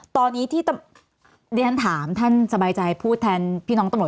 ตอนนี้ที่ท่านทามท่านสบายใจพูดแทนพี่น้องตมโหนด